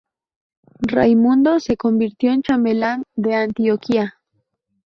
Raimundo se convirtió en chambelán de Antioquía.